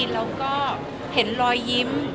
แล้วก็เห็นรอยยิ้ม